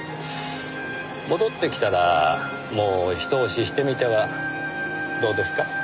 戻ってきたらもうひと押ししてみてはどうですか？